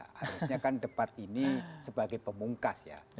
harusnya kan debat ini sebagai pemungkas ya